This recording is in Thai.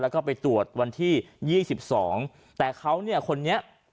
แล้วก็ไปตรวจวันที่๒๒แต่เขาเนี่ยคนเนี้ย